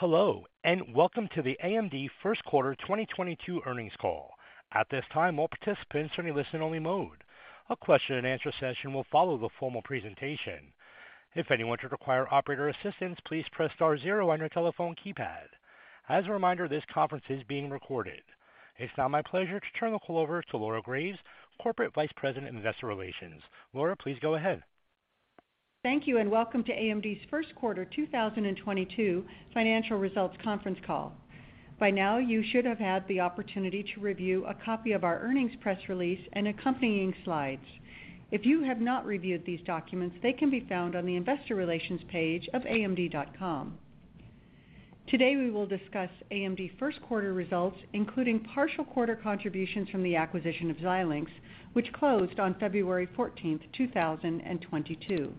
Hello, and welcome to the AMD first quarter 2022 earnings call. At this time, all participants are in a listen-only mode. A question-and-answer session will follow the formal presentation. If anyone should require operator assistance, please press star zero on your telephone keypad. As a reminder, this conference is being recorded. It's now my pleasure to turn the call over to Laura Graves, Corporate Vice President, Investor Relations. Laura, please go ahead. Thank you and welcome to AMD's first quarter 2022 financial results conference call. By now you should have had the opportunity to review a copy of our earnings press release and accompanying slides. If you have not reviewed these documents, they can be found on the investor relations page of amd.com. Today, we will discuss AMD first quarter results, including partial quarter contributions from the acquisition of Xilinx, which closed on February 14th, 2022.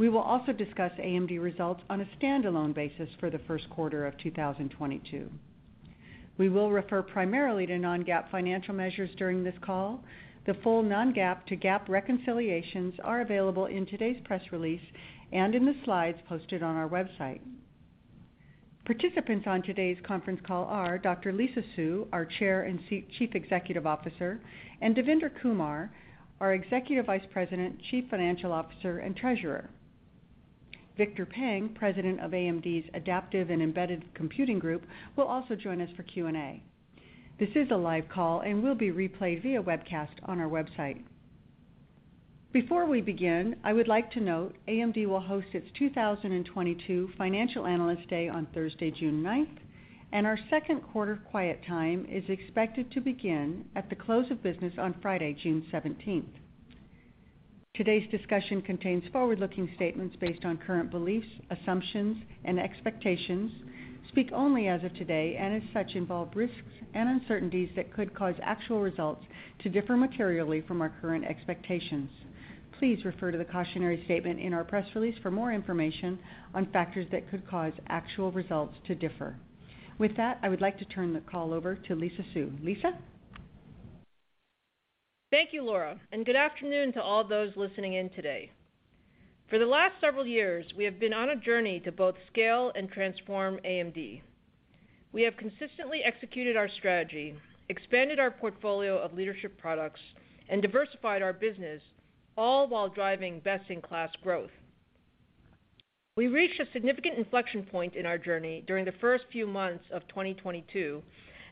We will also discuss AMD results on a standalone basis for the first quarter of 2022. We will refer primarily to non-GAAP financial measures during this call. The full non-GAAP to GAAP reconciliations are available in today's press release and in the slides posted on our website. Participants on today's conference call are Dr. Lisa Su, our Chair and Chief Executive Officer, and Devinder Kumar, our Executive Vice President, Chief Financial Officer, and Treasurer. Victor Peng, President of AMD's Adaptive and Embedded Computing Group, will also join us for Q&A. This is a live call and will be replayed via webcast on our website. Before we begin, I would like to note AMD will host its 2022 Financial Analyst Day on Thursday, June 9th, and our second quarter quiet period is expected to begin at the close of business on Friday, June 17th. Today's discussion contains forward-looking statements based on current beliefs, assumptions, and expectations, speak only as of today, and as such, involve risks and uncertainties that could cause actual results to differ materially from our current expectations. Please refer to the cautionary statement in our press release for more information on factors that could cause actual results to differ. With that, I would like to turn the call over to Lisa Su. Lisa? Thank you, Laura, and good afternoon to all those listening in today. For the last several years, we have been on a journey to both scale and transform AMD. We have consistently executed our strategy, expanded our portfolio of leadership products, and diversified our business, all while driving best-in-class growth. We reached a significant inflection point in our journey during the first few months of 2022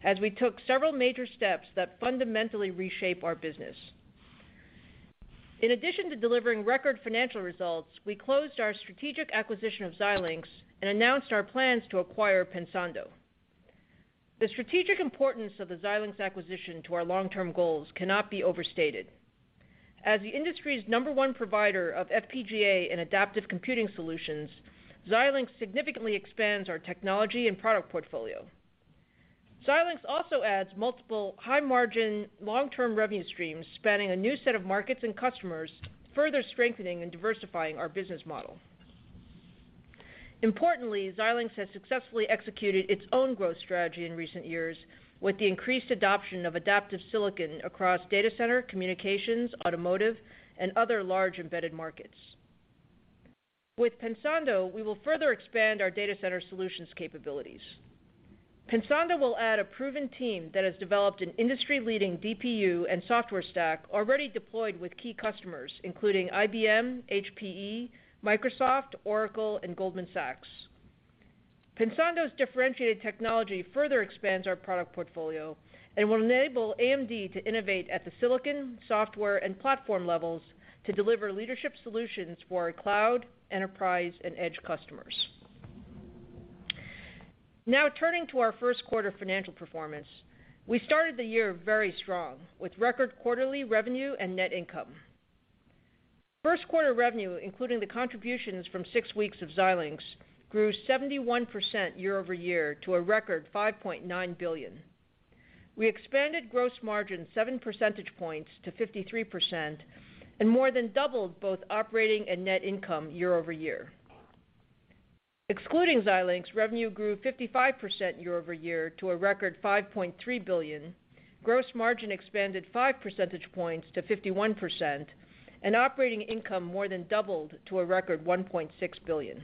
as we took several major steps that fundamentally reshape our business. In addition to delivering record financial results, we closed our strategic acquisition of Xilinx and announced our plans to acquire Pensando. The strategic importance of the Xilinx acquisition to our long-term goals cannot be overstated. As the industry's number one provider of FPGA and adaptive computing solutions, Xilinx significantly expands our technology and product portfolio. Xilinx also adds multiple high-margin, long-term revenue streams spanning a new set of markets and customers, further strengthening and diversifying our business model. Importantly, Xilinx has successfully executed its own growth strategy in recent years with the increased adoption of adaptive silicon across data center, communications, automotive, and other large embedded markets. With Pensando, we will further expand our data center solutions capabilities. Pensando will add a proven team that has developed an industry-leading DPU and software stack already deployed with key customers, including IBM, HPE, Microsoft, Oracle, and Goldman Sachs. Pensando's differentiated technology further expands our product portfolio and will enable AMD to innovate at the silicon, software, and platform levels to deliver leadership solutions for our cloud, enterprise, and edge customers. Now turning to our first quarter financial performance. We started the year very strong with record quarterly revenue and net income. First quarter revenue, including the contributions from six weeks of Xilinx, grew 71% year-over-year to a record $5.9 billion. We expanded gross margin seven percentage points to 53% and more than doubled both operating and net income year-over-year. Excluding Xilinx, revenue grew 55% year-over-year to a record $5.3 billion. Gross margin expanded five percentage points to 51%, and operating income more than doubled to a record $1.6 billion.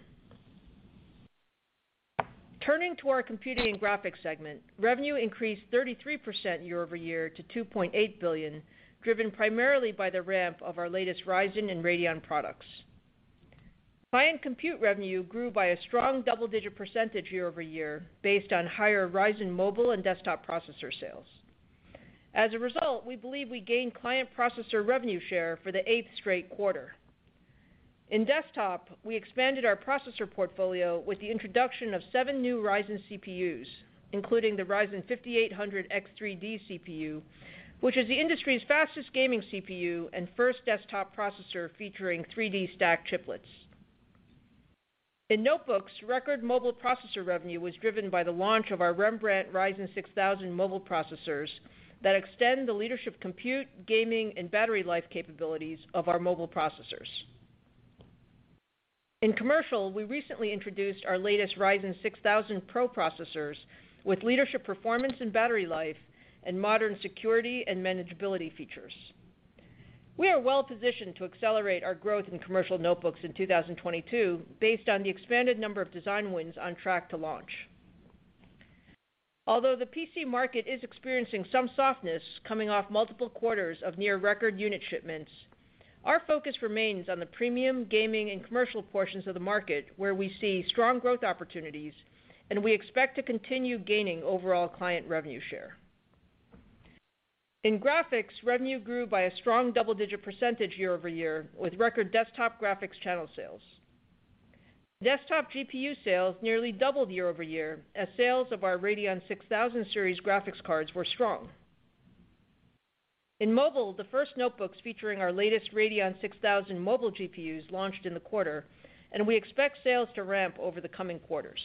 Turning to our computing and graphics segment, revenue increased 33% year-over-year to $2.8 billion, driven primarily by the ramp of our latest Ryzen and Radeon products. Client compute revenue grew by a strong double-digit percentage year-over-year based on higher Ryzen mobile and desktop processor sales. As a result, we believe we gained client processor revenue share for the 8th straight quarter. In desktop, we expanded our processor portfolio with the introduction of seven new Ryzen CPUs, including the Ryzen 5800X3D CPU, which is the industry's fastest gaming CPU and first desktop processor featuring 3D stack chiplets. In notebooks, record mobile processor revenue was driven by the launch of our Rembrandt Ryzen 6000 mobile processors that extend the leadership, compute, gaming, and battery life capabilities of our mobile processors. In commercial, we recently introduced our latest Ryzen 6000 PRO processors with leadership performance and battery life and modern security and manageability features. We are well positioned to accelerate our growth in commercial notebooks in 2022 based on the expanded number of design wins on track to launch. Although the PC market is experiencing some softness coming off multiple quarters of near record unit shipments, our focus remains on the premium gaming and commercial portions of the market where we see strong growth opportunities and we expect to continue gaining overall client revenue share. In graphics, revenue grew by a strong double-digit percentage year-over-year with record desktop graphics channel sales. Desktop GPU sales nearly doubled year-over-year as sales of our Radeon 6000 series graphics cards were strong. In mobile, the first notebooks featuring our latest Radeon 6000 mobile GPUs launched in the quarter, and we expect sales to ramp over the coming quarters.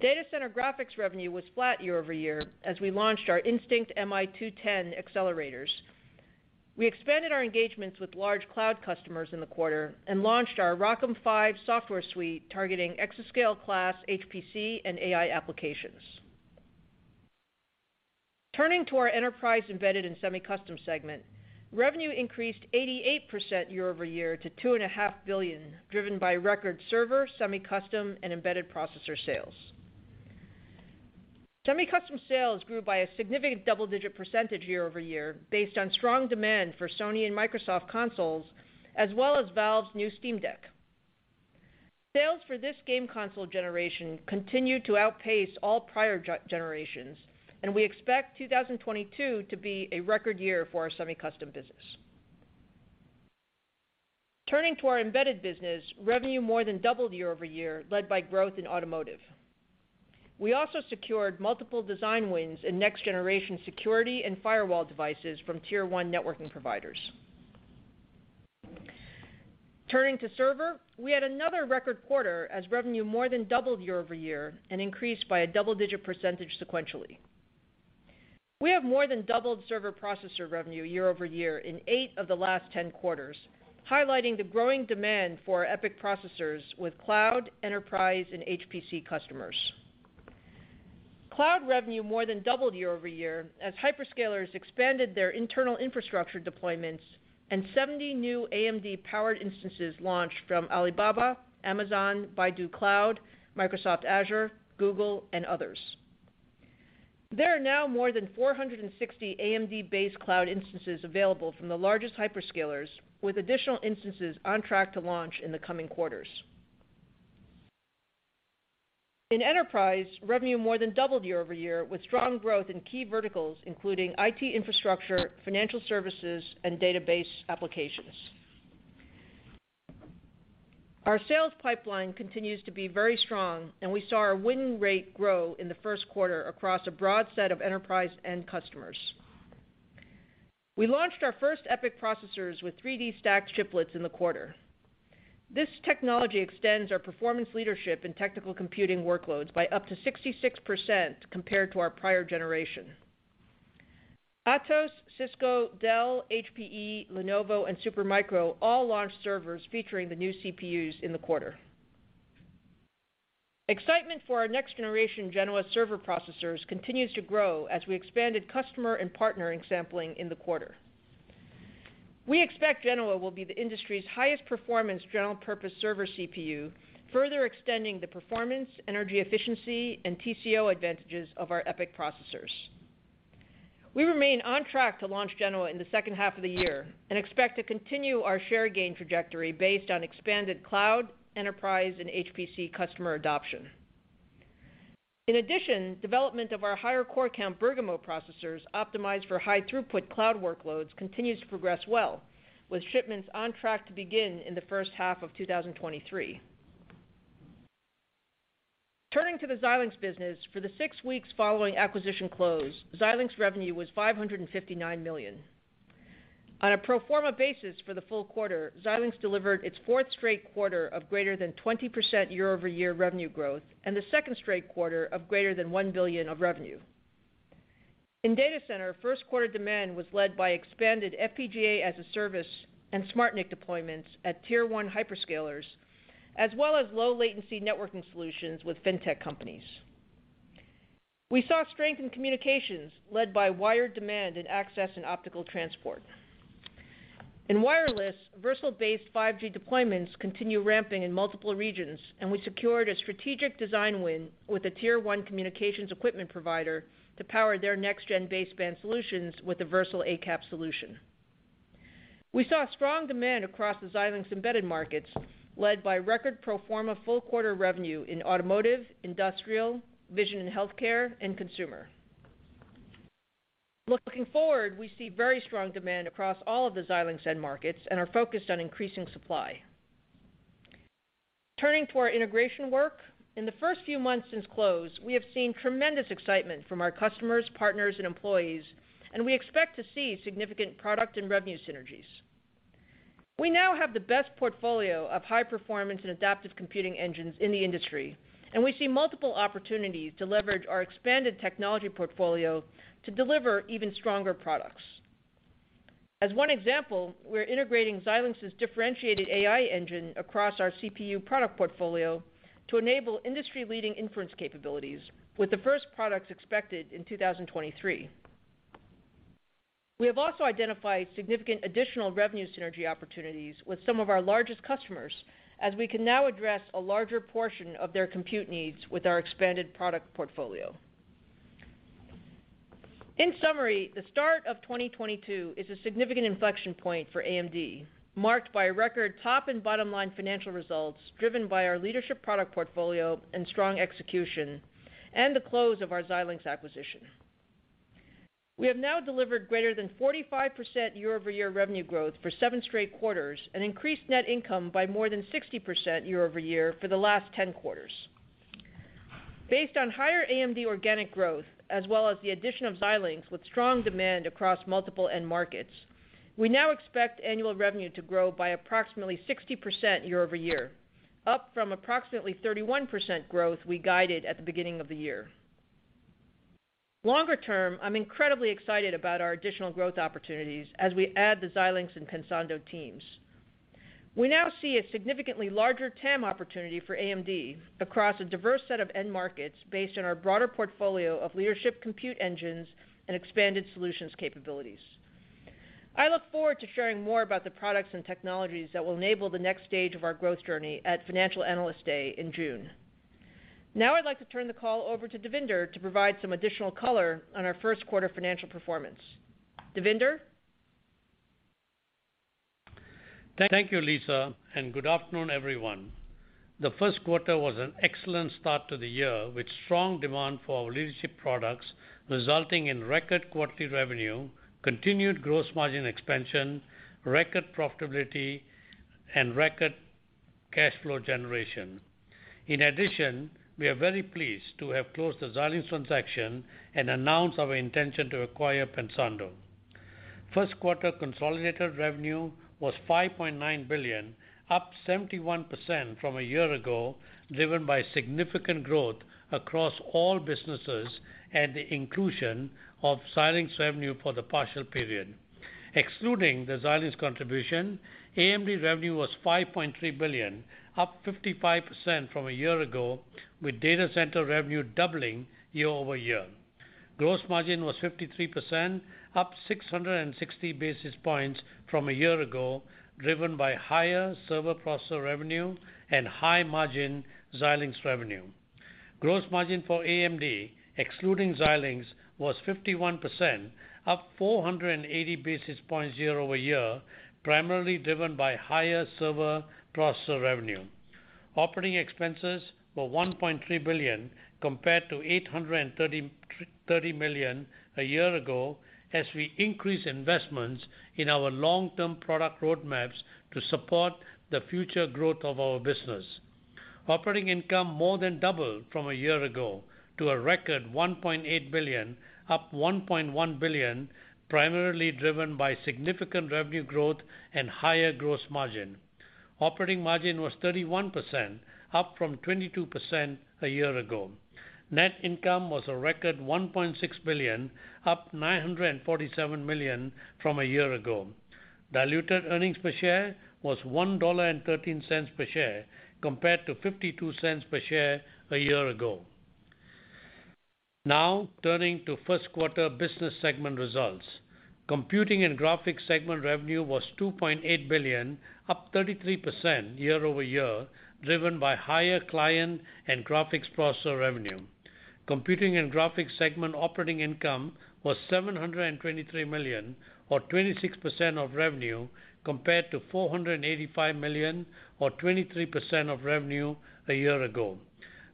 Data center graphics revenue was flat year-over-year as we launched our Instinct MI210 accelerators. We expanded our engagements with large cloud customers in the quarter and launched our ROCm 5 software suite targeting exascale-class HPC and AI applications. Turning to our enterprise Embedded and Semi-Custom segment, revenue increased 88% year-over-year to $2.5 billion, driven by record server, semi-custom, and embedded processor sales. Semi-custom sales grew by a significant double-digit percentage year-over-year based on strong demand for Sony and Microsoft consoles as well as Valve's new Steam Deck. Sales for this game console generation continued to outpace all prior generations, and we expect 2022 to be a record year for our semi-custom business. Turning to our Embedded business, revenue more than doubled year-over-year, led by growth in automotive. We also secured multiple design wins in next-generation security and firewall devices from tier one networking providers. Turning to server, we had another record quarter as revenue more than doubled year-over-year and increased by a double-digit percentage sequentially. We have more than doubled server processor revenue year-over-year in eight of the last 10 quarters, highlighting the growing demand for our EPYC processors with cloud, enterprise, and HPC customers. Cloud revenue more than doubled year-over-year as hyperscalers expanded their internal infrastructure deployments and 70 new AMD-powered instances launched from Alibaba, Amazon, Baidu Cloud, Microsoft Azure, Google, and others. There are now more than 460 AMD-based cloud instances available from the largest hyperscalers, with additional instances on track to launch in the coming quarters. In enterprise, revenue more than doubled year-over-year with strong growth in key verticals, including IT infrastructure, financial services, and database applications. Our sales pipeline continues to be very strong, and we saw our win rate grow in the first quarter across a broad set of enterprise end customers. We launched our first EPYC processors with 3D stacked chiplets in the quarter. This technology extends our performance leadership in technical computing workloads by up to 66% compared to our prior generation. Atos, Cisco, Dell, HPE, Lenovo, and Supermicro all launched servers featuring the new CPUs in the quarter. Excitement for our next generation Genoa server processors continues to grow as we expanded customer and partnering sampling in the quarter. We expect Genoa will be the industry's highest performance general purpose server CPU, further extending the performance, energy efficiency, and TCO advantages of our EPYC processors. We remain on track to launch Genoa in the second half of the year and expect to continue our share gain trajectory based on expanded cloud, enterprise, and HPC customer adoption. In addition, development of our higher core count Bergamo processors optimized for high throughput cloud workloads continues to progress well, with shipments on track to begin in the first half of 2023. Turning to the Xilinx business, for the six weeks following acquisition close, Xilinx revenue was $559 million. On a pro forma basis for the full quarter, Xilinx delivered its fourth straight quarter of greater than 20% year-over-year revenue growth and the second straight quarter of greater than $1 billion of revenue. In data center, first quarter demand was led by expanded FPGA as a service and SmartNIC deployments at tier one hyperscalers, as well as low latency networking solutions with fintech companies. We saw strength in communications led by wired demand in access and optical transport. In wireless, Versal-based 5G deployments continue ramping in multiple regions, and we secured a strategic design win with a tier one communications equipment provider to power their next gen baseband solutions with the Versal ACAP solution. We saw strong demand across the Xilinx embedded markets led by record pro forma full quarter revenue in automotive, industrial, vision and healthcare, and consumer. Looking forward, we see very strong demand across all of the Xilinx end markets and are focused on increasing supply. Turning to our integration work. In the first few months since close, we have seen tremendous excitement from our customers, partners, and employees, and we expect to see significant product and revenue synergies. We now have the best portfolio of high performance and adaptive computing engines in the industry, and we see multiple opportunities to leverage our expanded technology portfolio to deliver even stronger products. As one example, we're integrating Xilinx's differentiated AI engine across our CPU product portfolio to enable industry-leading inference capabilities with the first products expected in 2023. We have also identified significant additional revenue synergy opportunities with some of our largest customers, as we can now address a larger portion of their compute needs with our expanded product portfolio. In summary, the start of 2022 is a significant inflection point for AMD, marked by record top and bottom line financial results driven by our leadership product portfolio and strong execution and the close of our Xilinx acquisition. We have now delivered greater than 45% year-over-year revenue growth for seven straight quarters and increased net income by more than 60% year-over-year for the last 10 quarters. Based on higher AMD organic growth, as well as the addition of Xilinx with strong demand across multiple end markets, we now expect annual revenue to grow by approximately 60% year-over-year, up from approximately 31% growth we guided at the beginning of the year. Longer term, I'm incredibly excited about our additional growth opportunities as we add the Xilinx and Pensando teams. We now see a significantly larger TAM opportunity for AMD across a diverse set of end markets based on our broader portfolio of leadership compute engines and expanded solutions capabilities. I look forward to sharing more about the products and technologies that will enable the next stage of our growth journey at Financial Analyst Day in June. Now I'd like to turn the call over to Devinder to provide some additional color on our first quarter financial performance. Devinder? Thank you, Lisa, and good afternoon, everyone. The first quarter was an excellent start to the year with strong demand for our leadership products, resulting in record quarterly revenue, continued gross margin expansion, record profitability, and record cash flow generation. In addition, we are very pleased to have closed the Xilinx transaction and announced our intention to acquire Pensando. First quarter consolidated revenue was $5.9 billion, up 71% from a year ago, driven by significant growth across all businesses and the inclusion of Xilinx revenue for the partial period. Excluding the Xilinx contribution, AMD revenue was $5.3 billion, up 55% from a year ago, with data center revenue doubling year-over-year. Gross margin was 53%, up 660 basis points from a year ago, driven by higher server processor revenue and high-margin Xilinx revenue. Gross margin for AMD, excluding Xilinx, was 51%, up 480 basis points year-over-year, primarily driven by higher server processor revenue. Operating expenses were $1.3 billion, compared to $830 million a year ago, as we increase investments in our long-term product roadmaps to support the future growth of our business. Operating income more than doubled from a year ago to a record $1.8 billion, up $1.1 billion, primarily driven by significant revenue growth and higher gross margin. Operating margin was 31%, up from 22% a year ago. Net income was a record $1.6 billion, up $947 million from a year ago. Diluted earnings per share was $1.13 per share, compared to $0.52 per share a year ago. Now turning to first quarter business segment results. Computing and graphics segment revenue was $2.8 billion, up 33% year-over-year, driven by higher client and graphics processor revenue. Computing and graphics segment operating income was $723 million or 26% of revenue compared to $485 million or 23% of revenue a year ago.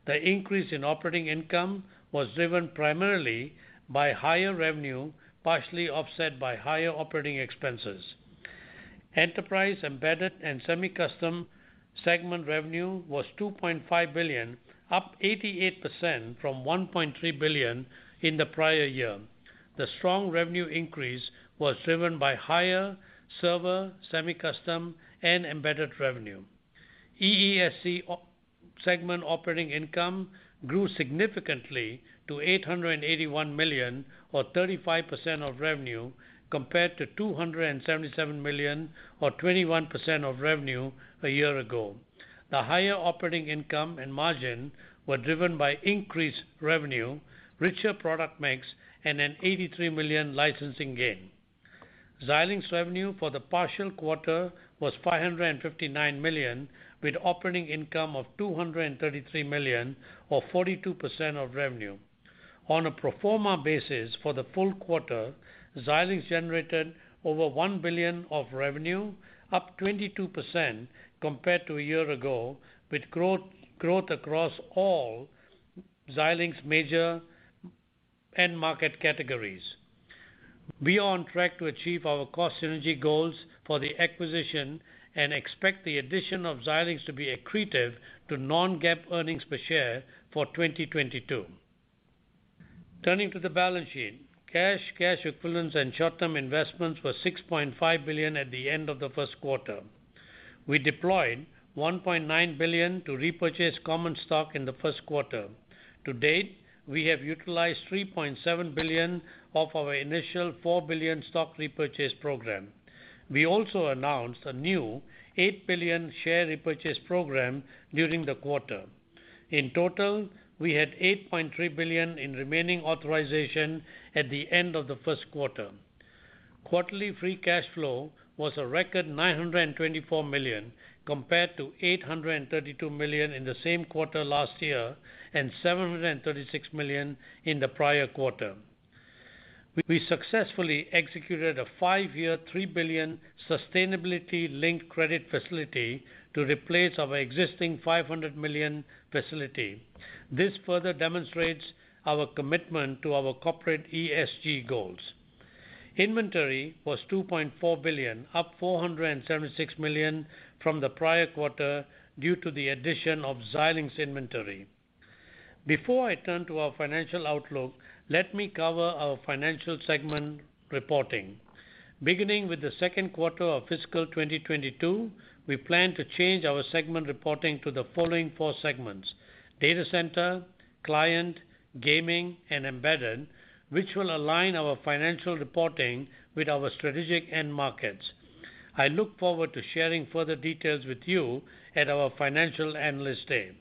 The increase in operating income was driven primarily by higher revenue, partially offset by higher operating expenses. Enterprise, embedded, and semi-custom segment revenue was $2.5 billion, up 88% from $1.3 billion in the prior year. The strong revenue increase was driven by higher server, semi-custom, and embedded revenue. EESC segment operating income grew significantly to $881 million or 35% of revenue compared to $277 million or 21% of revenue a year ago. The higher operating income and margin were driven by increased revenue, richer product mix, and an $83 million licensing gain. Xilinx revenue for the partial quarter was $559 million, with operating income of $233 million or 42% of revenue. On a pro forma basis for the full quarter, Xilinx generated over $1 billion of revenue, up 22% compared to a year ago, with growth across all Xilinx major end market categories. We are on track to achieve our cost synergy goals for the acquisition and expect the addition of Xilinx to be accretive to non-GAAP earnings per share for 2022. Turning to the balance sheet, cash equivalents, and short-term investments were $6.5 billion at the end of the first quarter. We deployed $1.9 billion to repurchase common stock in the first quarter. To date, we have utilized $3.7 billion of our initial $4 billion stock repurchase program. We also announced a new $8 billion share repurchase program during the quarter. In total, we had $8.3 billion in remaining authorization at the end of the first quarter. Quarterly free cash flow was a record $924 million compared to $832 million in the same quarter last year, and $736 million in the prior quarter. We successfully executed a five-year, $3 billion sustainability-linked credit facility to replace our existing $500 million facility. This further demonstrates our commitment to our corporate ESG goals. Inventory was $2.4 billion, up $476 million from the prior quarter due to the addition of Xilinx inventory. Before I turn to our financial outlook, let me cover our financial segment reporting. Beginning with the second quarter of fiscal 2022, we plan to change our segment reporting to the following four segments: data center, client, gaming, and embedded, which will align our financial reporting with our strategic end markets. I look forward to sharing further details with you at our Financial Analyst Day.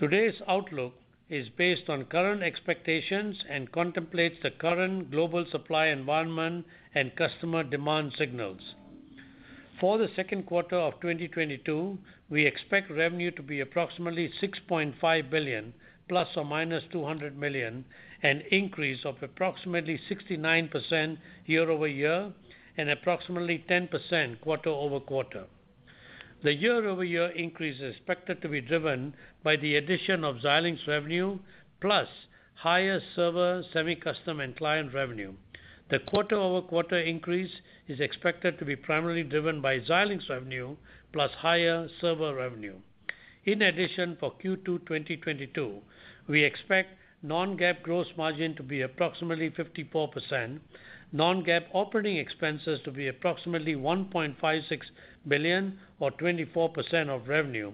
Today's outlook is based on current expectations and contemplates the current global supply environment and customer demand signals. For the second quarter of 2022, we expect revenue to be approximately $6.5 billion, ±$200 million, an increase of approximately 69% year-over-year and approximately 10% quarter-over-quarter. The year-over-year increase is expected to be driven by the addition of Xilinx revenue plus higher server, semi-custom, and client revenue. The quarter-over-quarter increase is expected to be primarily driven by Xilinx revenue plus higher server revenue. In addition, for Q2 2022, we expect non-GAAP gross margin to be approximately 54%, non-GAAP operating expenses to be approximately $1.56 billion or 24% of revenue,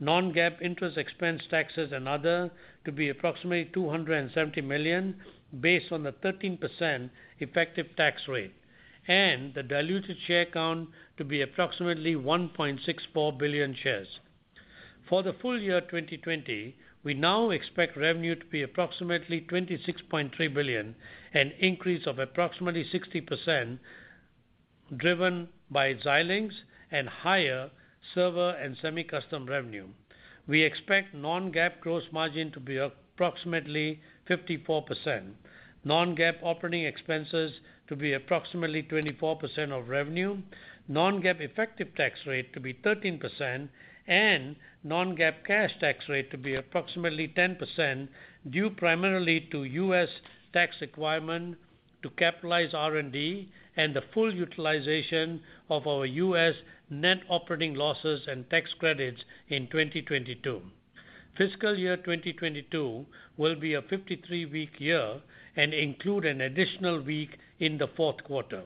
non-GAAP interest expense, taxes and other to be approximately $270 million based on the 13% effective tax rate and the diluted share count to be approximately 1.64 billion shares. For the full year 2022, we now expect revenue to be approximately $26.3 billion, an increase of approximately 60% driven by Xilinx and higher server and semi-custom revenue. We expect non-GAAP gross margin to be approximately 54%, non-GAAP operating expenses to be approximately 24% of revenue, non-GAAP effective tax rate to be 13% and non-GAAP cash tax rate to be approximately 10%, due primarily to U.S. tax requirement to capitalize R&D and the full utilization of our U.S. net operating losses and tax credits in 2022. Fiscal year 2022 will be a 53-week year and include an additional week in the fourth quarter.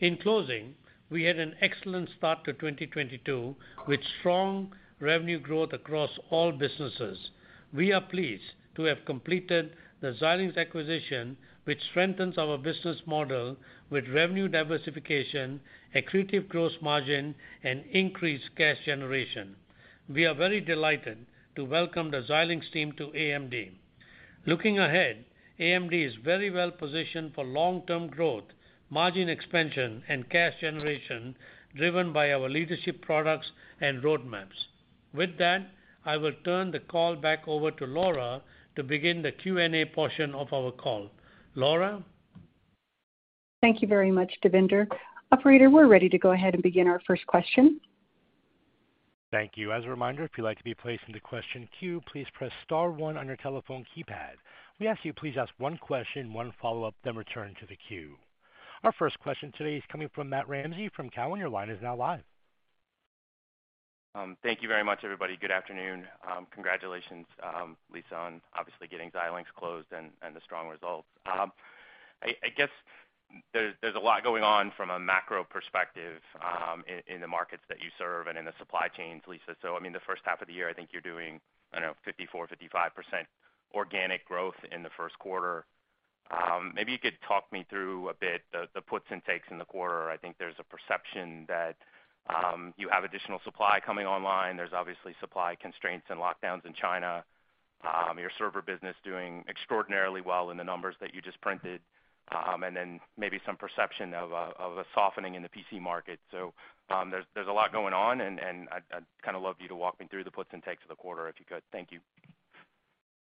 In closing, we had an excellent start to 2022 with strong revenue growth across all businesses. We are pleased to have completed the Xilinx acquisition, which strengthens our business model with revenue diversification, accretive gross margin, and increased cash generation. We are very delighted to welcome the Xilinx team to AMD. Looking ahead, AMD is very well positioned for long-term growth, margin expansion and cash generation driven by our leadership products and roadmaps. With that, I will turn the call back over to Laura to begin the Q&A portion of our call. Laura? Thank you very much, Devinder. Operator, we're ready to go ahead and begin our first question. Thank you. As a reminder, if you'd like to be placed into question queue, please press star one on your telephone keypad. We ask you please ask one question, one follow-up, then return to the queue. Our first question today is coming from Matt Ramsay from Cowen. Your line is now live. Thank you very much, everybody. Good afternoon. Congratulations, Lisa on obviously getting Xilinx closed and the strong results. I guess there's a lot going on from a macro perspective, in the markets that you serve and in the supply chains, Lisa. I mean, the first half of the year, I think you're doing, I don't know, 54%-55% organic growth in the first quarter. Maybe you could talk me through a bit the puts and takes in the quarter. I think there's a perception that you have additional supply coming online. There's obviously supply constraints and lockdowns in China. Your server business doing extraordinarily well in the numbers that you just printed, and then maybe some perception of a softening in the PC market. There's a lot going on, and I'd kinda love you to walk me through the puts and takes of the quarter if you could. Thank you.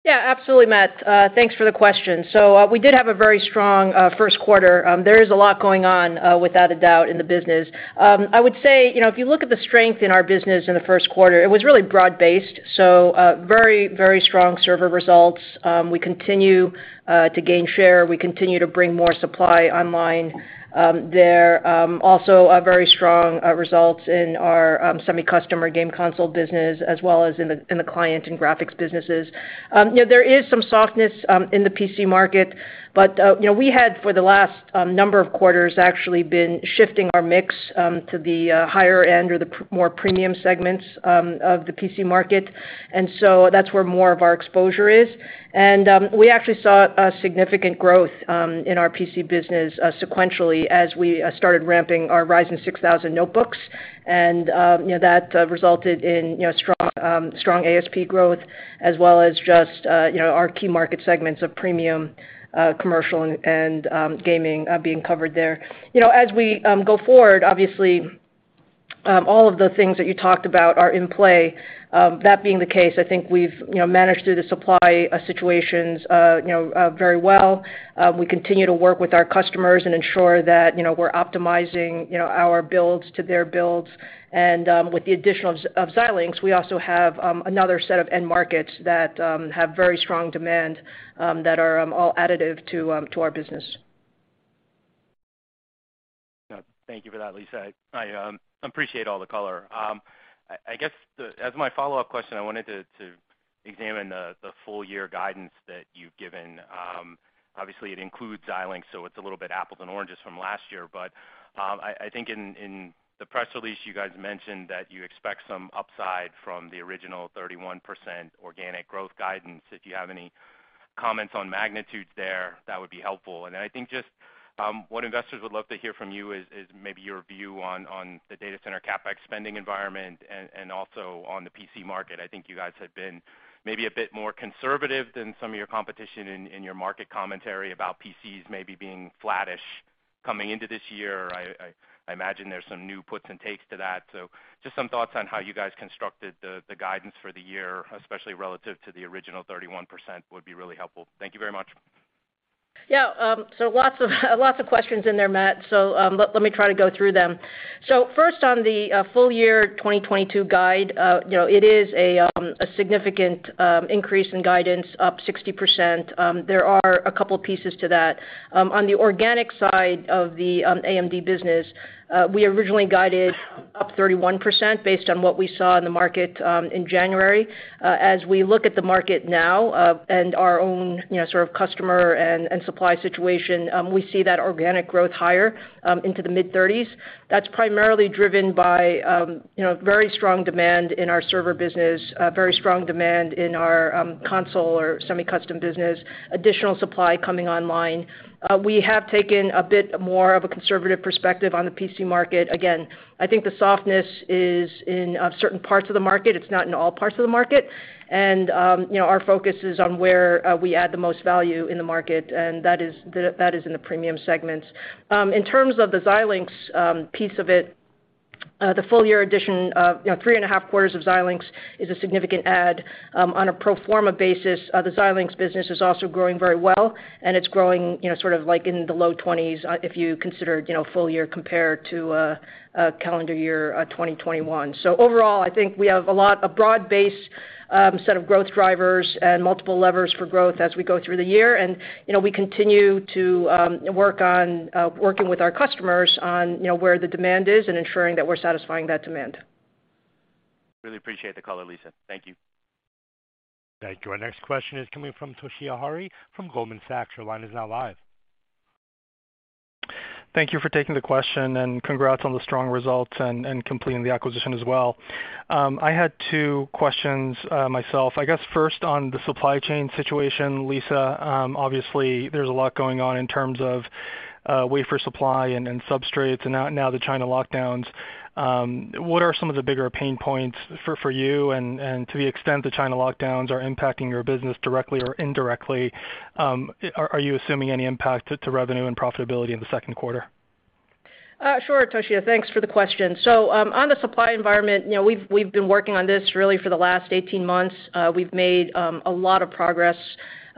Yeah, absolutely, Matt. Thanks for the question. We did have a very strong first quarter. There is a lot going on without a doubt in the business. I would say, you know, if you look at the strength in our business in the first quarter, it was really broad-based, very, very strong server results. We continue to gain share. We continue to bring more supply online. There also very strong results in our semi-custom or game console business as well as in the client and graphics businesses. You know, there is some softness in the PC market, but you know, we had for the last number of quarters actually been shifting our mix to the higher end or the more premium segments of the PC market. So that's where more of our exposure is. We actually saw a significant growth in our PC business sequentially as we started ramping our Ryzen 6000 notebooks. You know, that resulted in you know, strong ASP growth as well as just you know, our key market segments of premium, commercial and gaming being covered there. You know, as we go forward, obviously all of the things that you talked about are in play. That being the case, I think we've, you know, managed through the supply situations, you know, very well. We continue to work with our customers and ensure that, you know, we're optimizing, you know, our builds to their builds. With the addition of Xilinx, we also have another set of end markets that have very strong demand, that are all additive to our business. Thank you for that, Lisa. I appreciate all the color. I guess as my follow-up question, I wanted to examine the full year guidance that you've given. Obviously it includes Xilinx, so it's a little bit apples and oranges from last year. I think in the press release, you guys mentioned that you expect some upside from the original 31% organic growth guidance. If you have any comments on magnitudes there, that would be helpful. I think just what investors would love to hear from you is maybe your view on the data center CapEx spending environment and also on the PC market. I think you guys have been maybe a bit more conservative than some of your competition in your market commentary about PCs maybe being flattish coming into this year. I imagine there's some new puts and takes to that. Just some thoughts on how you guys constructed the guidance for the year, especially relative to the original 31% would be really helpful. Thank you very much. Yeah. Lots of questions in there, Matt, so let me try to go through them. First on the full-year 2022 guide, you know, it is a significant increase in guidance up 60%. There are a couple pieces to that. On the organic side of the AMD business, we originally guided up 31% based on what we saw in the market in January. As we look at the market now and our own, you know, sort of customer and supply situation, we see that organic growth higher into the mid-30s. That's primarily driven by, you know, very strong demand in our server business, very strong demand in our console or semi-custom business, additional supply coming online. We have taken a bit more of a conservative perspective on the PC market. Again, I think the softness is in certain parts of the market. It's not in all parts of the market. You know, our focus is on where we add the most value in the market, and that is in the premium segments. In terms of the Xilinx piece of it, the full year addition of, you know, 3.5 quarters of Xilinx is a significant add. On a pro forma basis, the Xilinx business is also growing very well, and it's growing, you know, sort of like in the low 20s, if you consider, you know, full year compared to a calendar year 2021. Overall, I think we have a broad-based set of growth drivers and multiple levers for growth as we go through the year. You know, we continue to work with our customers on, you know, where the demand is and ensuring that we're satisfying that demand. Really appreciate the color, Lisa. Thank you. Thank you. Our next question is coming from Toshiya Hari from Goldman Sachs. Your line is now live. Thank you for taking the question, and congrats on the strong results and completing the acquisition as well. I had two questions myself. I guess first on the supply chain situation, Lisa. Obviously there's a lot going on in terms of wafer supply and substrates and now the China lockdowns. What are some of the bigger pain points for you and to the extent the China lockdowns are impacting your business directly or indirectly, are you assuming any impact to revenue and profitability in the second quarter? Sure, Toshiya. Thanks for the question. On the supply environment, you know, we've been working on this really for the last 18 months. We've made a lot of progress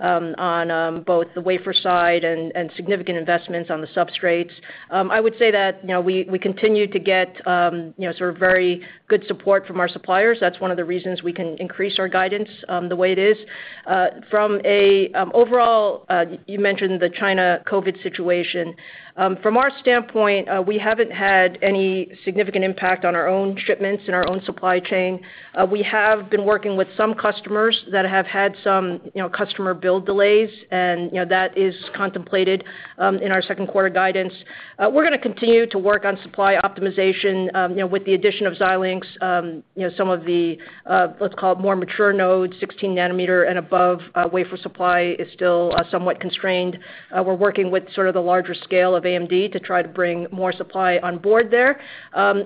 on both the wafer side and significant investments on the substrates. I would say that, you know, we continue to get you know, sort of very good support from our suppliers. That's one of the reasons we can increase our guidance the way it is. From a overall, you mentioned the China COVID situation. From our standpoint, we haven't had any significant impact on our own shipments in our own supply chain. We have been working with some customers that have had some, you know, customer build delays and, you know, that is contemplated in our second quarter guidance. We're gonna continue to work on supply optimization. You know, with the addition of Xilinx, you know, some of the, let's call it more mature nodes, 16 nm and above, wafer supply is still, somewhat constrained. We're working with sort of the larger scale of AMD to try to bring more supply on board there,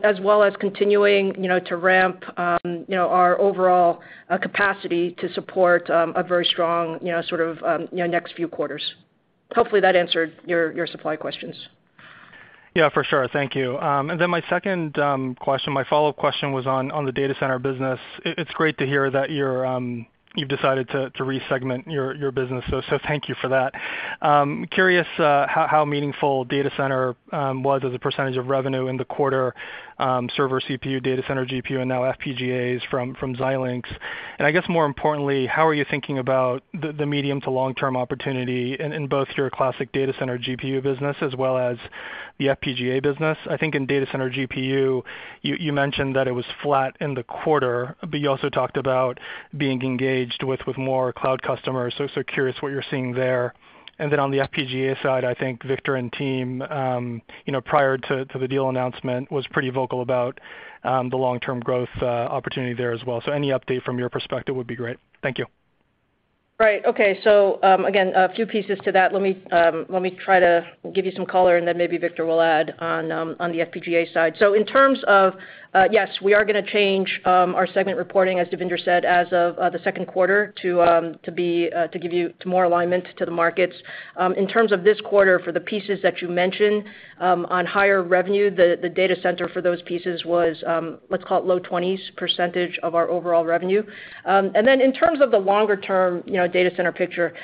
as well as continuing, you know, to ramp, you know, our overall, capacity to support, a very strong, you know, sort of, you know, next few quarters. Hopefully that answered your supply questions. Yeah, for sure. Thank you. And then my second question, my follow-up question was on the data center business. It's great to hear that you've decided to re-segment your business, so thank you for that. Curious how meaningful data center was as a percentage of revenue in the quarter, server CPU, data center GPU, and now FPGAs from Xilinx. I guess more importantly, how are you thinking about the medium to long-term opportunity in both your classic data center GPU business as well as the FPGA business? I think in data center GPU, you mentioned that it was flat in the quarter, but you also talked about being engaged with more cloud customers, so curious what you're seeing there. Then on the FPGA side, I think Victor and team, you know, prior to the deal announcement, was pretty vocal about the long-term growth opportunity there as well. Any update from your perspective would be great. Thank you. Right. Okay. Again, a few pieces to that. Let me try to give you some color and then maybe Victor will add on on the FPGA side. In terms of yes, we are gonna change our segment reporting, as Devinder said, as of the second quarter to be to give you more alignment to the markets. In terms of this quarter, for the pieces that you mentioned on higher revenue, the data center for those pieces was let's call it low 20s percentage of our overall revenue. In terms of the longer term, you know, data center picture,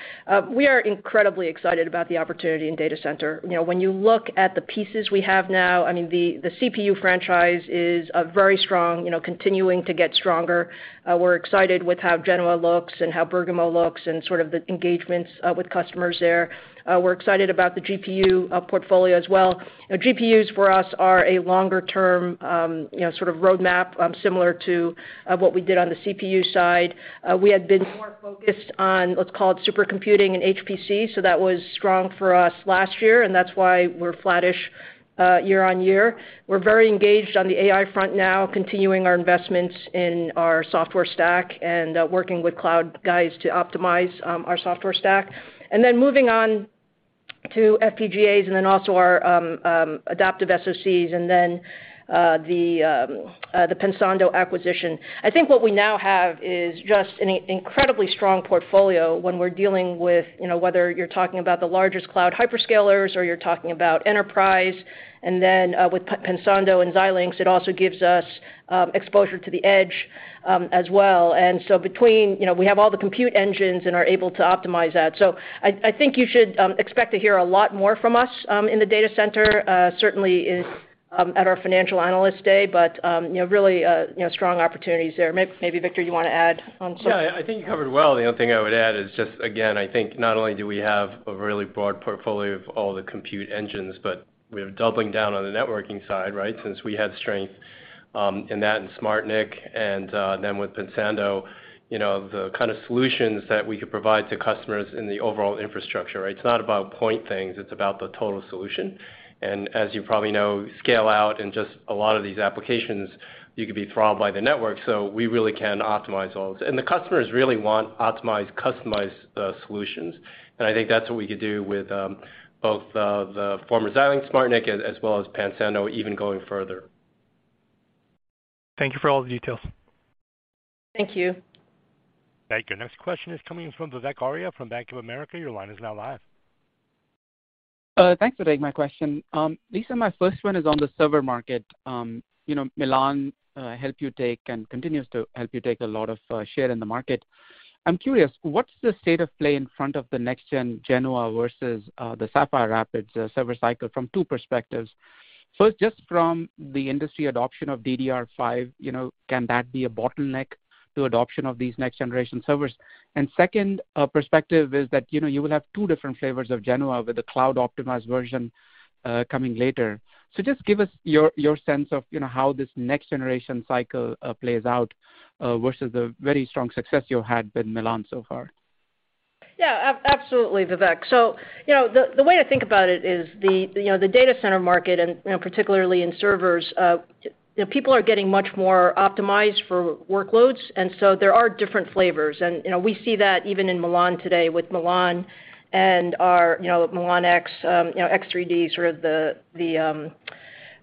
we are incredibly excited about the opportunity in data center. When you look at the pieces we have now, I mean, the CPU franchise is a very strong, you know, continuing to get stronger. We're excited with how Genoa looks and how Bergamo looks and sort of the engagements with customers there. We're excited about the GPU portfolio as well. You know, GPUs for us are a longer-term, you know, sort of roadmap, similar to what we did on the CPU side. We had been more focused on, let's call it supercomputing and HPC. That was strong for us last year, and that's why we're flattish year on year. We're very engaged on the AI front now, continuing our investments in our software stack and working with cloud guys to optimize our software stack. Then moving on to FPGAs and then also our adaptive SoCs and then the Pensando acquisition. I think what we now have is just an incredibly strong portfolio when we're dealing with, you know, whether you're talking about the largest cloud hyperscalers or you're talking about enterprise, and then with Pensando and Xilinx, it also gives us exposure to the edge as well. Between, you know, we have all the compute engines and are able to optimize that. I think you should expect to hear a lot more from us in the data center, certainly at our Financial Analyst Day. You know, really strong opportunities there. Maybe Victor you wanna add on some- Yeah. I think you covered well. The only thing I would add is just, again, I think not only do we have a really broad portfolio of all the compute engines, but we're doubling down on the networking side, right? Since we had strength in that and SmartNIC and then with Pensando, you know, the kind of solutions that we could provide to customers in the overall infrastructure, right? It's not about point things, it's about the total solution. As you probably know, scale out in just a lot of these applications, you could be throttled by the network, so we really can optimize all this. The customers really want optimized, customized solutions. I think that's what we could do with both the former Xilinx SmartNIC as well as Pensando even going further. Thank you for all the details. Thank you. Thank you. Next question is coming from Vivek Arya from Bank of America. Your line is now live. Thanks for taking my question. Lisa, my first one is on the server market. You know, Milan helped you take and continues to help you take a lot of share in the market. I'm curious, what's the state of play in front of the next gen Genoa versus the Sapphire Rapids server cycle from two perspectives. It's just from the industry adoption of DDR5, you know, can that be a bottleneck to adoption of these next generation servers? Second perspective is that, you know, you will have two different flavors of Genoa with the cloud optimized version coming later. Just give us your sense of, you know, how this next generation cycle plays out versus the very strong success you had with Milan so far. Yeah. Absolutely, Vivek. The way to think about it is the data center market and particularly in servers, people are getting much more optimized for workloads, and so there are different flavors. We see that even in Milan today with Milan and our Milan-X, X3D, sort of the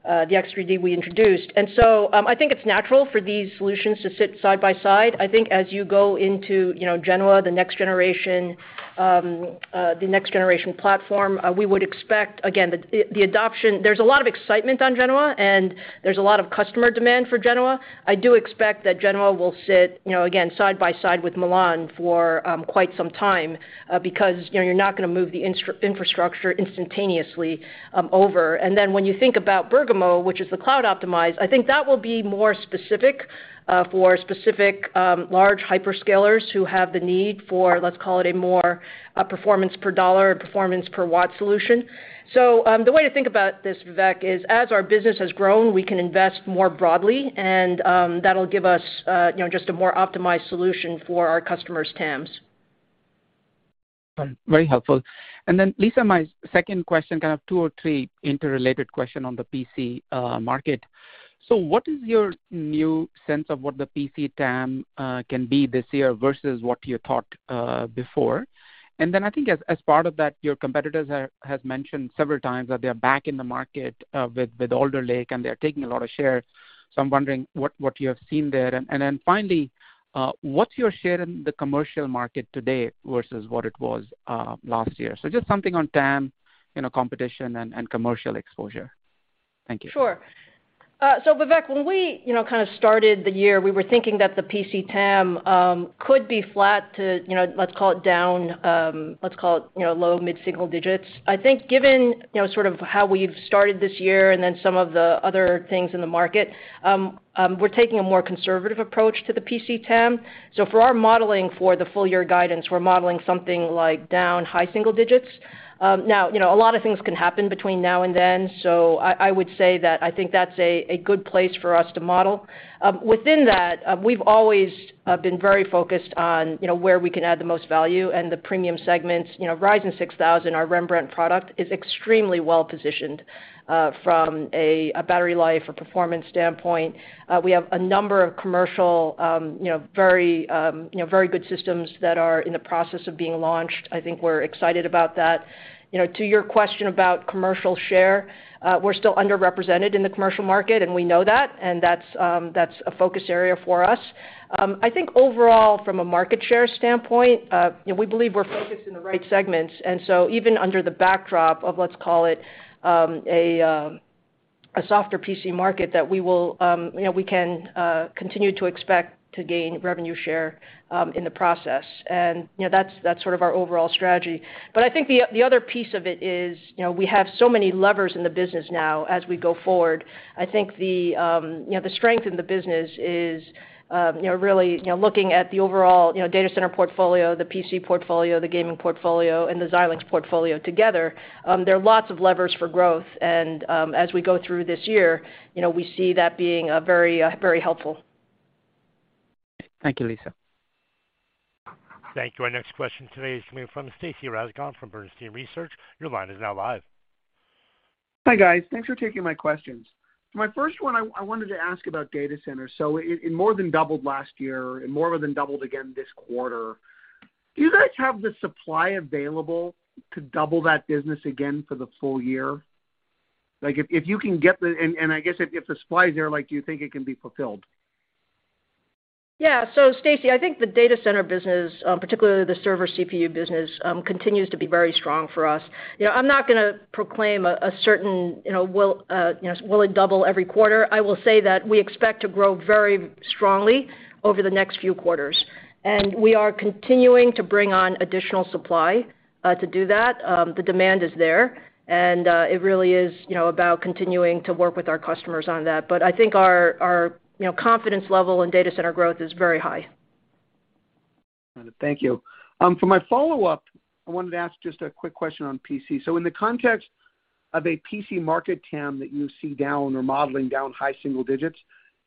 X3D we introduced. I think it's natural for these solutions to sit side by side. I think as you go into Genoa, the next generation, the next generation platform, we would expect, again, the adoption. There's a lot of excitement on Genoa, and there's a lot of customer demand for Genoa. I do expect that Genoa will sit, you know, again, side by side with Milan for quite some time because, you know, you're not gonna move the infrastructure instantaneously over. When you think about Bergamo, which is the cloud optimized, I think that will be more specific for specific large hyperscalers who have the need for, let's call it a more performance per dollar, performance per watt solution. The way to think about this, Vivek, is as our business has grown, we can invest more broadly and that'll give us, you know, just a more optimized solution for our customers' TAMs. Very helpful. Then, Lisa, my second question, kind of two or three interrelated question on the PC market. So what is your new sense of what the PC TAM can be this year versus what you thought before? Then I think as part of that, your competitors have mentioned several times that they're back in the market with Alder Lake, and they're taking a lot of shares. So I'm wondering what you have seen there. Then finally, what's your share in the commercial market today versus what it was last year? So just something on TAM, you know, competition and commercial exposure. Thank you. Sure. Vivek, when we, you know, kind of started the year, we were thinking that the PC TAM could be flat to, you know, let's call it down, let's call it, you know, low- to mid-single digits. I think given, you know, sort of how we've started this year and then some of the other things in the market, we're taking a more conservative approach to the PC TAM. For our modeling for the full year guidance, we're modeling something like down high-single digits. Now, you know, a lot of things can happen between now and then, so I would say that I think that's a good place for us to model. Within that, we've always been very focused on, you know, where we can add the most value and the premium segments. You know, Ryzen 6000, our Rembrandt product, is extremely well-positioned from a battery life or performance standpoint. We have a number of commercial, you know, very good systems that are in the process of being launched. I think we're excited about that. You know, to your question about commercial share, we're still underrepresented in the commercial market, and we know that, and that's a focus area for us. I think overall from a market share standpoint, you know, we believe we're focused in the right segments. Even under the backdrop of, let's call it, a softer PC market that we can continue to expect to gain revenue share in the process. You know, that's sort of our overall strategy. I think the other piece of it is, you know, we have so many levers in the business now as we go forward. I think the you know the strength in the business is, you know, really, you know, looking at the overall, you know, data center portfolio, the PC portfolio, the gaming portfolio, and the Xilinx portfolio together, there are lots of levers for growth. As we go through this year, you know, we see that being a very, very helpful. Thank you, Lisa. Thank you. Our next question today is coming from Stacy Rasgon from Bernstein Research. Your line is now live. Hi, guys. Thanks for taking my questions. My first one, I wanted to ask about data centers. It more than doubled last year and more than doubled again this quarter. Do you guys have the supply available to double that business again for the full year? Like, if you can get the—and I guess if the supply is there, like, do you think it can be fulfilled? Yeah. Stacy, I think the data center business, particularly the server CPU business, continues to be very strong for us. You know, I'm not gonna proclaim a certain, you know, will it double every quarter? I will say that we expect to grow very strongly over the next few quarters. We are continuing to bring on additional supply to do that. The demand is there, and it really is, you know, about continuing to work with our customers on that. I think our, you know, confidence level in data center growth is very high. Thank you. For my follow-up, I wanted to ask just a quick question on PC. In the context of a PC market TAM that you see down or modeling down high single digits,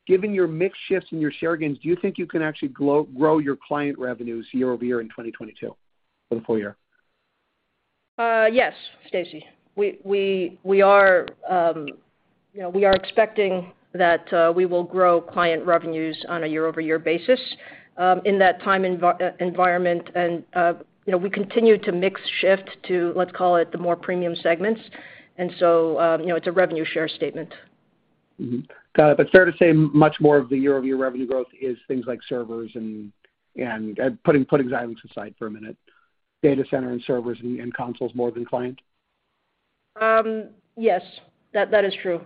given your mix shifts and your share gains, do you think you can actually grow your client revenues year-over-year in 2022 for the full year? Yes, Stacy. We are expecting that we will grow client revenues on a year-over-year basis in that time environment. You know, we continue to mix shift to, let's call it, the more premium segments. You know, it's a revenue share statement. Mm-hmm. Got it. Fair to say much more of the year-over-year revenue growth is things like servers and putting Xilinx aside for a minute, data center and servers and consoles more than client? Yes. That is true.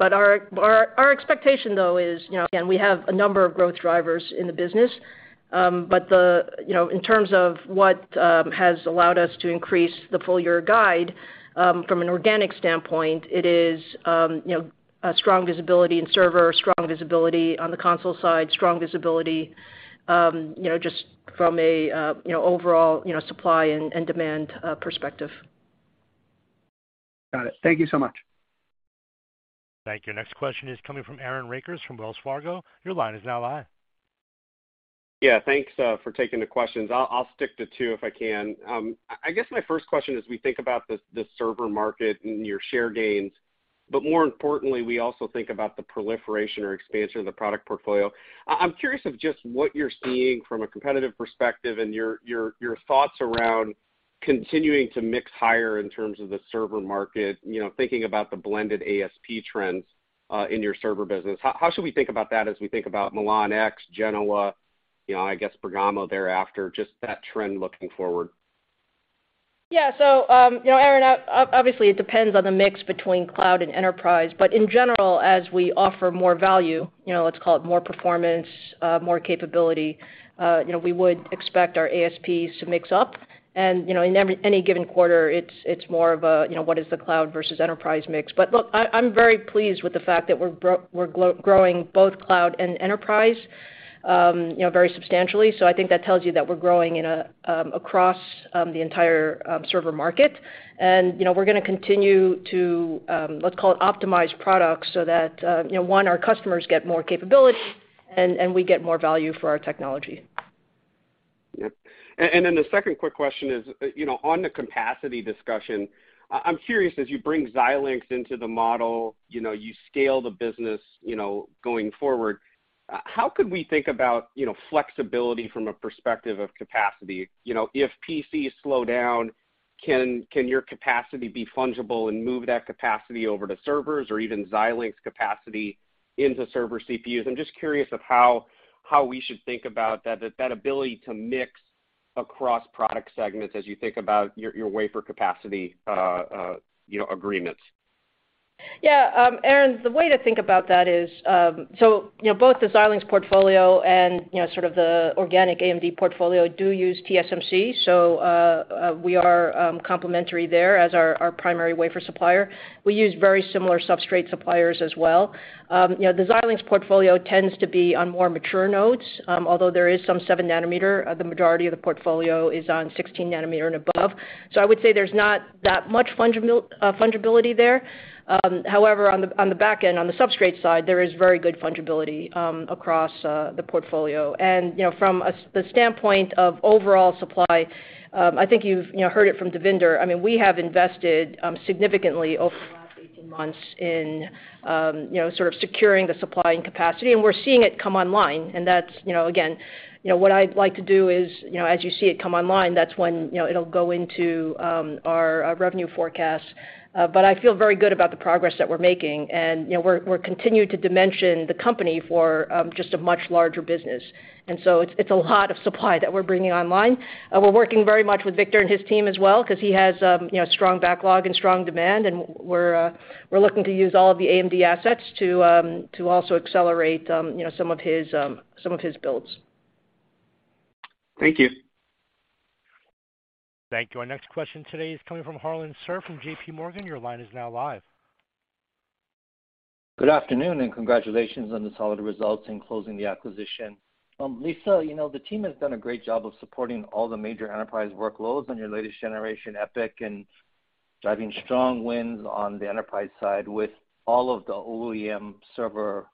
Our expectation though is, you know, again, we have a number of growth drivers in the business. You know, in terms of what has allowed us to increase the full year guide, from an organic standpoint, it is, you know, a strong visibility in server, strong visibility on the console side, strong visibility, you know, just from a, you know, overall, you know, supply and demand perspective. Got it. Thank you so much. Thank you. Next question is coming from Aaron Rakers from Wells Fargo. Your line is now live. Yeah. Thanks for taking the questions. I'll stick to two if I can. I guess my first question is we think about the server market and your share gains, but more importantly, we also think about the proliferation or expansion of the product portfolio. I'm curious of just what you're seeing from a competitive perspective and your thoughts around continuing to mix higher in terms of the server market, you know, thinking about the blended ASP trends in your server business. How should we think about that as we think about Milan-X, Genoa, you know, I guess Bergamo thereafter, just that trend looking forward? Yeah. You know, Aaron, obviously, it depends on the mix between cloud and enterprise. In general, as we offer more value, you know, let's call it more performance, more capability, you know, we would expect our ASPs to mix up. You know, in any given quarter, it's more of a, you know, what is the cloud versus enterprise mix. Look, I'm very pleased with the fact that we're growing both cloud and enterprise, you know, very substantially. I think that tells you that we're growing across the entire server market. You know, we're gonna continue to, let's call it optimize products so that, you know, one, our customers get more capability and we get more value for our technology. Yep. Then the second quick question is, you know, on the capacity discussion, I'm curious as you bring Xilinx into the model, you know, you scale the business, you know, going forward, how could we think about, you know, flexibility from a perspective of capacity? You know, if PCs slow down, can your capacity be fungible and move that capacity over to servers or even Xilinx capacity into server CPUs? I'm just curious of how we should think about that ability to mix across product segments as you think about your wafer capacity, you know, agreements. Yeah. Aaron, the way to think about that is, you know, both the Xilinx portfolio and, you know, sort of the organic AMD portfolio do use TSMC. We are complementary there as our primary wafer supplier. We use very similar substrate suppliers as well. You know, the Xilinx portfolio tends to be on more mature nodes, although there is some 7 nm, the majority of the portfolio is on 16 nm and above. I would say there's not that much fungibility there. However, on the back end, on the substrate side, there is very good fungibility across the portfolio. You know, from the standpoint of overall supply, I think you've, you know, heard it from Devinder. I mean, we have invested significantly over the last 18 months in, you know, sort of securing the supply and capacity, and we're seeing it come online, and that's, you know, again, you know, what I'd like to do is, you know, as you see it come online, that's when, you know, it'll go into our revenue forecast. I feel very good about the progress that we're making, and, you know, we're continuing to dimension the company for just a much larger business. It's a lot of supply that we're bringing online. We're working very much with Victor and his team as well, because he has, you know, strong backlog and strong demand, and we're looking to use all of the AMD assets to also accelerate, you know, some of his builds. Thank you. Thank you. Our next question today is coming from Harlan Sur from JPMorgan. Your line is now live. Good afternoon, and congratulations on the solid results in closing the acquisition. Lisa, you know, the team has done a great job of supporting all the major enterprise workloads on your latest generation EPYC and driving strong wins on the enterprise side with all of the OEM server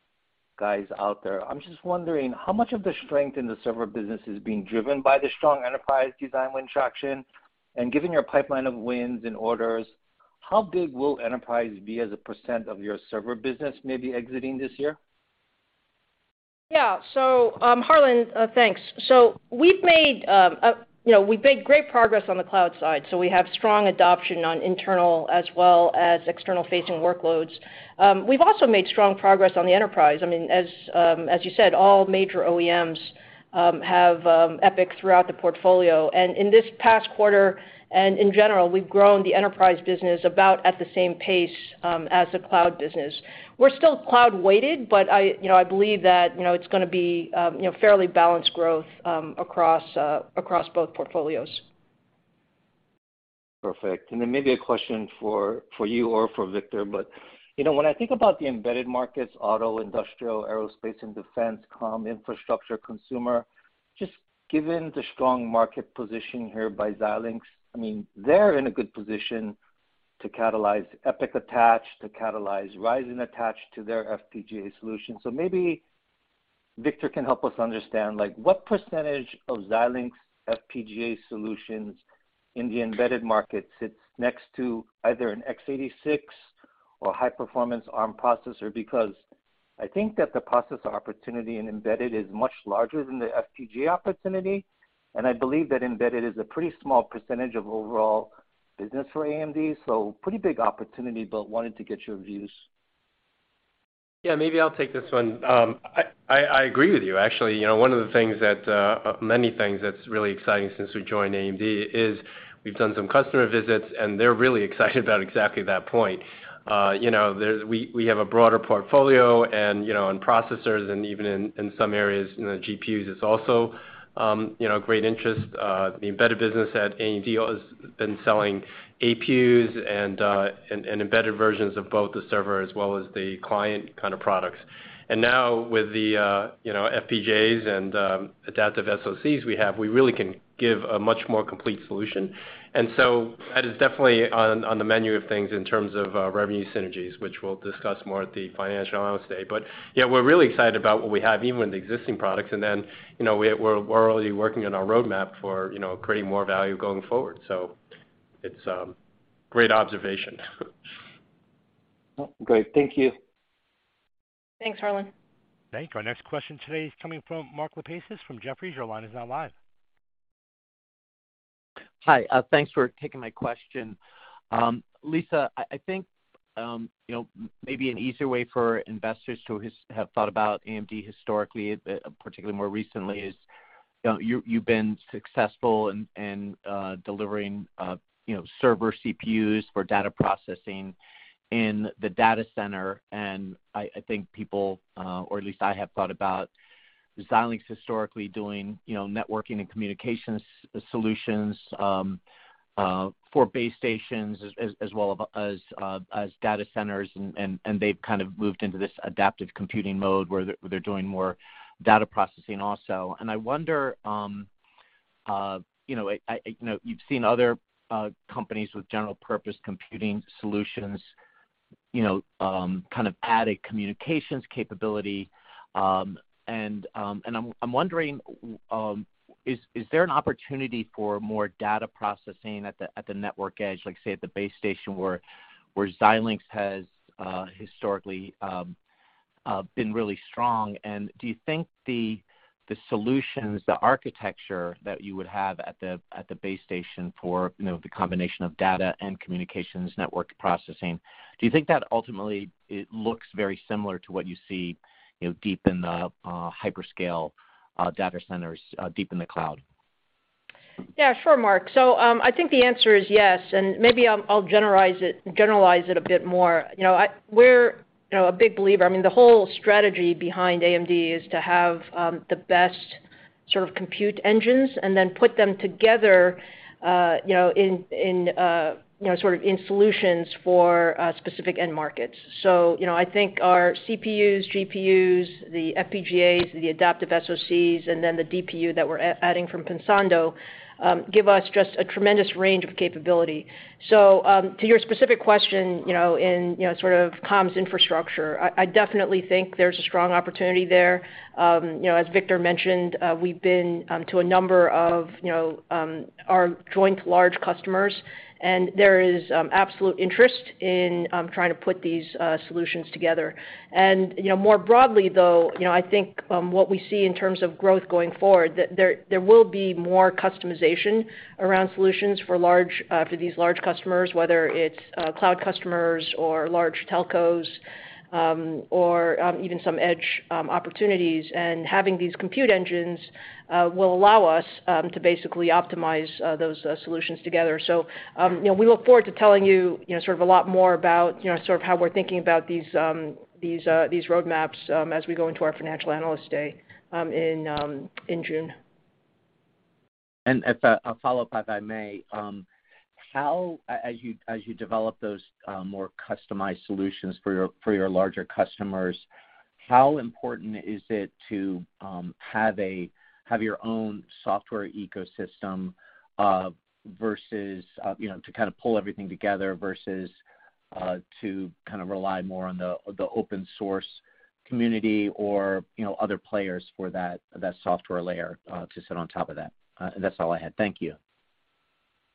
guys out there. I'm just wondering, how much of the strength in the server business is being driven by the strong enterprise design win traction? Given your pipeline of wins and orders, how big will enterprise be as a percent of your server business maybe exiting this year? Yeah. Harlan, thanks. We've made great progress on the cloud side, you know, so we have strong adoption on internal as well as external-facing workloads. We've also made strong progress on the enterprise. I mean, as you said, all major OEMs have EPYC throughout the portfolio. In this past quarter, and in general, we've grown the enterprise business about at the same pace as the cloud business. We're still cloud-weighted, but I you know I believe that you know it's gonna be fairly balanced growth across both portfolios. Perfect. Then maybe a question for you or for Victor. You know, when I think about the embedded markets, auto, industrial, aerospace and defense, comm, infrastructure, consumer, just given the strong market position here by Xilinx, I mean, they're in a good position to catalyze EPYC attached, to catalyze Ryzen attached to their FPGA solution. Maybe Victor can help us understand, like, what percentage of Xilinx FPGA solutions in the embedded market sits next to either an x86 or high-performance Arm processor? Because I think that the processor opportunity in embedded is much larger than the FPGA opportunity, and I believe that embedded is a pretty small percentage of overall business for AMD, so pretty big opportunity, but wanted to get your views. Yeah, maybe I'll take this one. I agree with you, actually. You know, one of the things that many things that's really exciting since we joined AMD is we've done some customer visits, and they're really excited about exactly that point. You know, we have a broader portfolio and, you know, on processors and even in some areas, you know, GPUs, it's also great interest. The embedded business at AMD has been selling APU and embedded versions of both the server as well as the client kind of products. Now with the FPGAs and adaptive SoCs we have, we really can give a much more complete solution. That is definitely on the menu of things in terms of revenue synergies, which we'll discuss more at the financial analyst day. Yeah, we're really excited about what we have even with the existing products. You know, we're already working on our roadmap for, you know, creating more value going forward. It's great observation. Great. Thank you. Thanks, Harlan. Thank you. Our next question today is coming from Mark Lipacis from Jefferies. Your line is now live. Hi. Thanks for taking my question. Lisa, I think, you know, maybe an easier way for investors who have thought about AMD historically, particularly more recently, is, you know, you've been successful in delivering, you know, server CPUs for data processing in the data center. I think people, or at least I have thought about Xilinx historically doing, you know, networking and communications solutions for base stations as well as data centers, and they've kind of moved into this adaptive computing mode where they're doing more data processing also. I wonder, you know, I, you know, you've seen other companies with general purpose computing solutions, you know, kind of add a communications capability. I'm wondering, is there an opportunity for more data processing at the network edge, like, say, at the base station where Xilinx has historically been really strong? Do you think the solutions, the architecture that you would have at the base station for, you know, the combination of data and communications network processing, do you think that ultimately it looks very similar to what you see, you know, deep in the hyperscale data centers, deep in the cloud? Yeah, sure, Mark. I think the answer is yes, and maybe I'll generalize it a bit more. You know, we're a big believer. I mean, the whole strategy behind AMD is to have the best sort of compute engines and then put them together, you know, in solutions for specific end markets. You know, I think our CPUs, GPUs, the FPGAs, the adaptive SoCs, and then the DPU that we're adding from Pensando give us just a tremendous range of capability. To your specific question, you know, in sort of comms infrastructure, I definitely think there's a strong opportunity there. You know, as Victor mentioned, we've been to a number of, you know, our joint large customers, and there is absolute interest in trying to put these solutions together. You know, more broadly, though, you know, I think what we see in terms of growth going forward, there will be more customization around solutions for these large customers, whether it's cloud customers or large telcos, or even some edge opportunities. Having these compute engines will allow us to basically optimize those solutions together. You know, we look forward to telling you know, sort of a lot more about, you know, sort of how we're thinking about these roadmaps, as we go into our Financial Analyst Day, in June. I'll follow up, if I may. How as you develop those more customized solutions for your larger customers, how important is it to have your own software ecosystem versus you know to kind of pull everything together versus to kind of rely more on the open source community or you know other players for that software layer to sit on top of that? That's all I had. Thank you.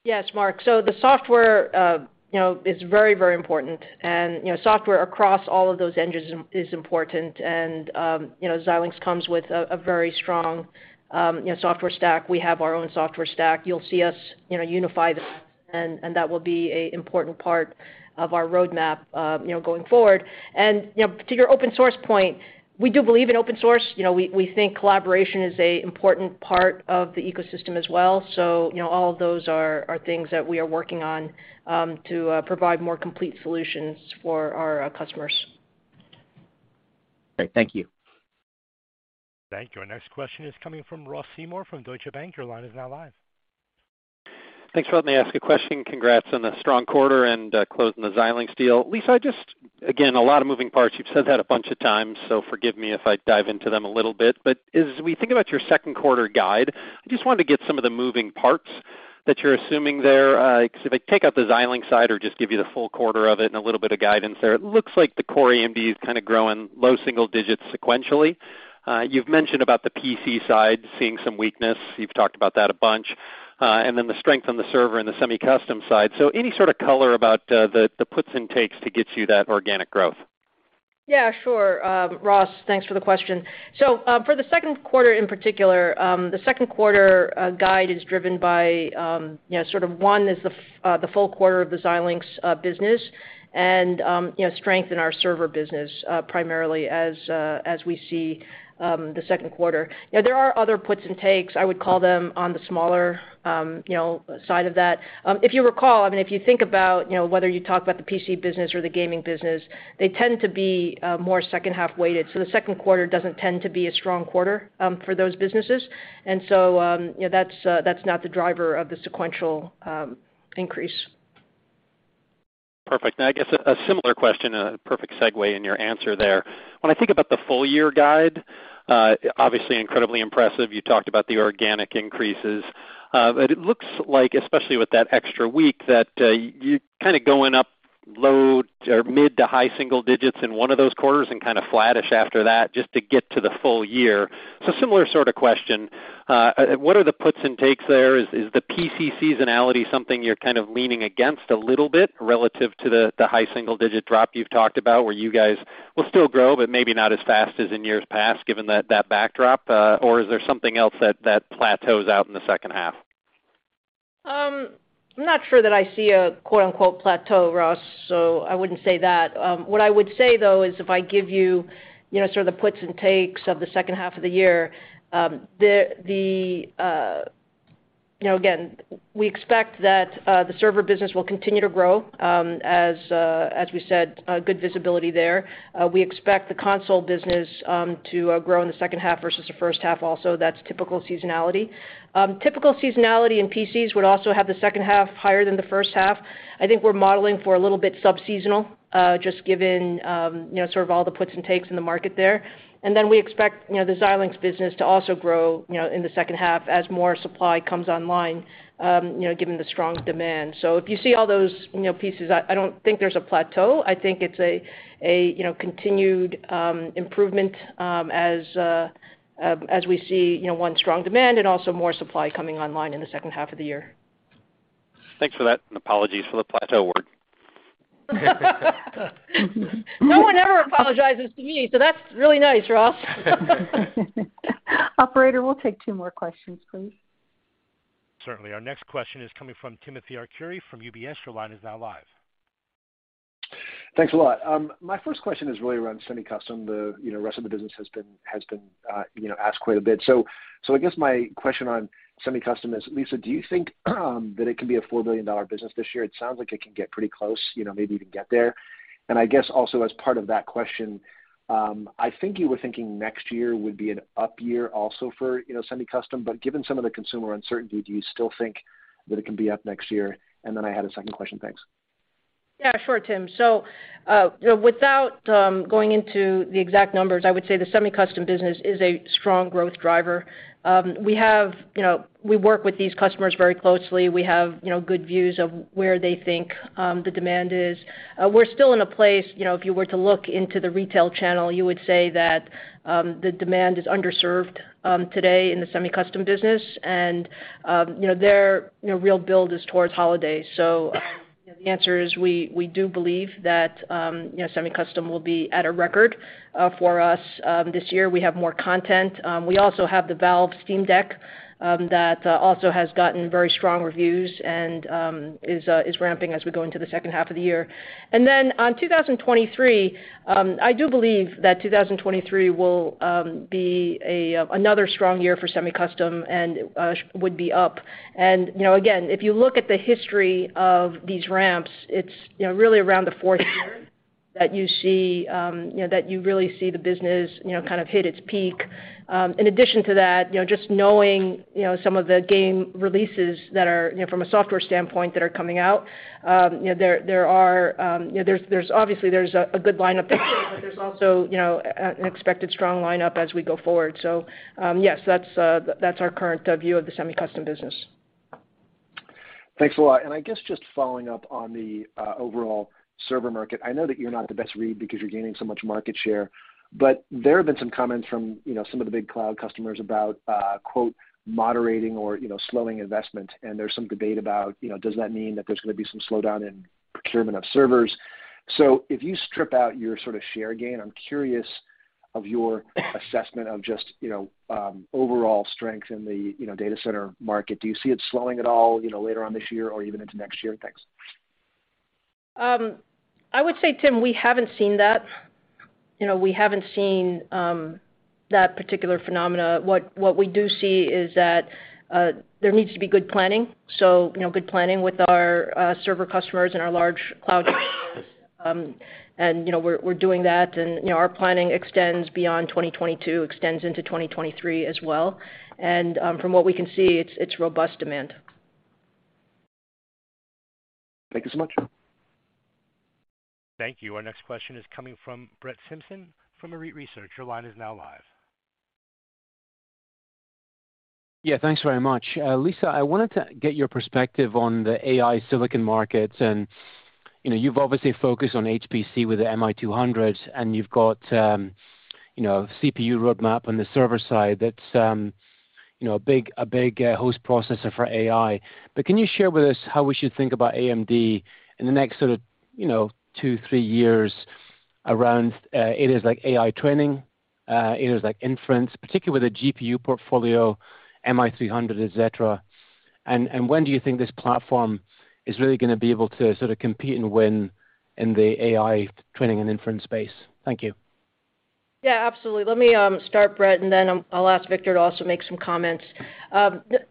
Yes, Mark. The software, you know, is very, very important. You know, software across all of those engines is important and Xilinx comes with a very strong software stack. We have our own software stack. You'll see us, you know, unify them, and that will be a important part of our roadmap, you know, going forward. You know, to your open source point, we do believe in open source. You know, we think collaboration is a important part of the ecosystem as well. You know, all of those are things that we are working on to provide more complete solutions for our customers. Great. Thank you. Thank you. Our next question is coming from Ross Seymore from Deutsche Bank. Your line is now live. Thanks for letting me ask a question. Congrats on a strong quarter and closing the Xilinx deal. Lisa, again, a lot of moving parts. You've said that a bunch of times, so forgive me if I dive into them a little bit. As we think about your second quarter guide, I just wanted to get some of the moving parts that you're assuming there. So if I take out the Xilinx side or just give you the full quarter of it and a little bit of guidance there, it looks like the core AMD is kinda growing low single digits sequentially. You've mentioned about the PC side seeing some weakness. You've talked about that a bunch. Then the strength on the server and the semi-custom side. Any sort of color about the puts and takes to get you that organic growth? Yeah, sure, Ross, thanks for the question. For the second quarter in particular, the second quarter guide is driven by, you know, sort of one is the full quarter of the Xilinx business and, you know, strength in our server business, primarily as we see the second quarter. You know, there are other puts and takes, I would call them, on the smaller, you know, side of that. If you recall, I mean, if you think about, you know, whether you talk about the PC business or the gaming business, they tend to be more second half weighted. So the second quarter doesn't tend to be a strong quarter for those businesses. You know, that's not the driver of the sequential increase. Perfect. I guess a similar question, a perfect segue in your answer there. When I think about the full year guide, obviously incredibly impressive. You talked about the organic increases. It looks like, especially with that extra week, you're kinda going up low or mid to high single digits in one of those quarters and kinda flattish after that just to get to the full year. Similar sorta question. What are the puts and takes there? Is the PC seasonality something you're kind of leaning against a little bit relative to the high single digit drop you've talked about, where you guys will still grow but maybe not as fast as in years past, given that backdrop? Or is there something else that plateaus out in the second half? I'm not sure that I see a quote-unquote plateau, Ross, so I wouldn't say that. What I would say, though, is if I give you know, sort of the puts and takes of the second half of the year, you know, again, we expect that the server business will continue to grow, as we said, good visibility there. We expect the console business to grow in the second half versus the first half also. That's typical seasonality. Typical seasonality in PCs would also have the second half higher than the first half. I think we're modeling for a little bit sub-seasonal, just given, you know, sort of all the puts and takes in the market there. We expect, you know, the Xilinx business to also grow, you know, in the second half as more supply comes online, you know, given the strong demand. If you see all those, you know, pieces, I don't think there's a plateau. I think it's a continued improvement as we see, you know, ongoing strong demand and also more supply coming online in the second half of the year. Thanks for that, and apologies for the plateau word. No one ever apologizes to me, so that's really nice, Ross. Operator, we'll take two more questions please. Certainly. Our next question is coming from Timothy Arcuri from UBS. Your line is now live. Thanks a lot. My first question is really around semi-custom. The rest of the business has been asked quite a bit. I guess my question on semi-custom is, Lisa, do you think that it can be a $4 billion business this year? It sounds like it can get pretty close, you know, maybe even get there. I guess also as part of that question, I think you were thinking next year would be an up year also for semi-custom. Given some of the consumer uncertainty, do you still think that it can be up next year? Then I had a second question. Thanks. Yeah, sure, Tim. You know, without going into the exact numbers, I would say the semi-custom business is a strong growth driver. We have, you know, we work with these customers very closely. We have, you know, good views of where they think the demand is. We're still in a place, you know, if you were to look into the retail channel, you would say that the demand is underserved today in the semi-custom business. You know, their real build is towards holiday. You know, the answer is we do believe that you know, semi-custom will be at a record for us this year. We have more content. We also have the Valve Steam Deck that also has gotten very strong reviews and is ramping as we go into the second half of the year. On 2023, I do believe that 2023 will be another strong year for semi-custom and should be up. You know, again, if you look at the history of these ramps, it's you know, really around the fourth year that you see you know, that you really see the business you know, kind of hit its peak. In addition to that, you know, just knowing, you know, some of the game releases that are, you know, from a software standpoint that are coming out, you know, there are, you know, there's obviously a good lineup this year, but there's also, you know, an expected strong lineup as we go forward. Yes, that's our current view of the semi-custom business. Thanks a lot. I guess just following up on the overall server market. I know that you're not the best read because you're gaining so much market share, but there have been some comments from, you know, some of the big cloud customers about, quote, "moderating" or, you know, slowing investment. There's some debate about, you know, does that mean that there's gonna be some slowdown in procurement of servers? If you strip out your sort of share gain, I'm curious of your assessment of just, you know, overall strength in the, you know, data center market. Do you see it slowing at all, you know, later on this year or even into next year? Thanks. I would say, Tim, we haven't seen that. You know, we haven't seen that particular phenomena. What we do see is that there needs to be good planning. You know, good planning with our server customers and our large cloud customers. You know, we're doing that. You know, our planning extends beyond 2022, extends into 2023 as well. From what we can see, it's robust demand. Thank you so much. Thank you. Our next question is coming from Brett Simpson from Arete Research. Your line is now live. Yeah, thanks very much. Lisa, I wanted to get your perspective on the AI silicon market. You know, you've obviously focused on HPC with the MI200, and you've got you know, CPU roadmap on the server side that's you know, a big host processor for AI. Can you share with us how we should think about AMD in the next sort of you know, two, three years around areas like AI training, areas like inference, particularly with the GPU portfolio, MI300, et cetera. When do you think this platform is really gonna be able to sort of compete and win in the AI training and inference space? Thank you. Yeah, absolutely. Let me start, Brett, and then I'll ask Victor to also make some comments.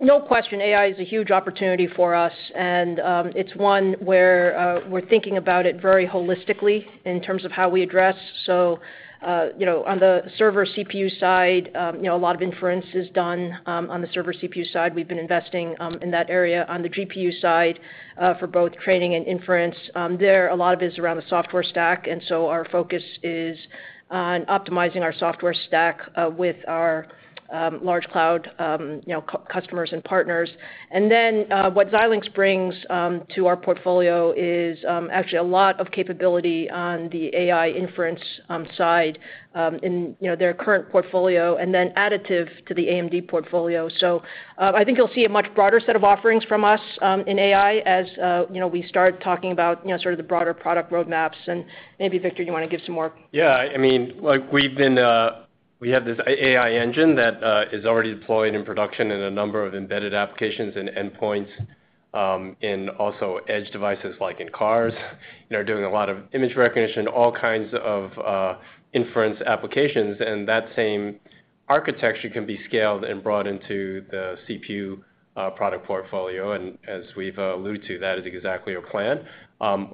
No question, AI is a huge opportunity for us, and it's one where we're thinking about it very holistically in terms of how we address. You know, on the server CPU side, you know, a lot of inference is done on the server CPU side. We've been investing in that area. On the GPU side, for both training and inference, there's a lot of it around the software stack, and so our focus is on optimizing our software stack with our large cloud customers and partners. What Xilinx brings to our portfolio is actually a lot of capability on the AI inference side in, you know, their current portfolio and then additive to the AMD portfolio. I think you'll see a much broader set of offerings from us in AI as you know we start talking about you know sort of the broader product roadmaps. Maybe Victor you wanna give some more. Yeah. I mean, look, we have this AI engine that is already deployed in production in a number of embedded applications and endpoints, and also edge devices, like in cars. They're doing a lot of image recognition, all kinds of, inference applications. That same architecture can be scaled and brought into the CPU product portfolio. As we've alluded to, that is exactly our plan.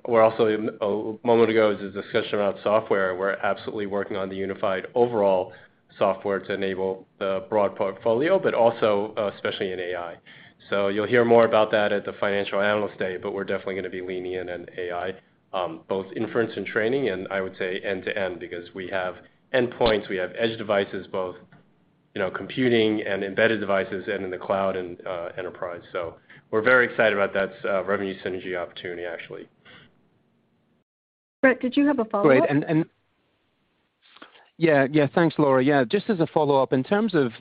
We're also a moment ago, there was a discussion about software. We're absolutely working on the unified overall software to enable the broad portfolio, but also especially in AI. You'll hear more about that at the Financial Analyst Day, but we're definitely gonna be leaning in AI, both inference and training, and I would say end-to-end because we have endpoints, we have edge devices, both, you know, computing and embedded devices and in the cloud and enterprise. We're very excited about that, revenue synergy opportunity actually. Brett, did you have a follow-up? Thanks, Laura. Just as a follow-up, in terms of